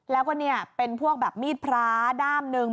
แล้วก็เนี่ยเป็นพวกแบบมีดพระด้ามหนึ่ง